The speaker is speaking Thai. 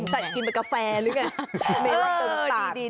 ใส่กินเป็นกาแฟหรือไง